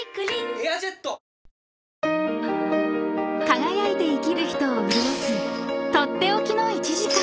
［輝いて生きる人を潤す取って置きの１時間］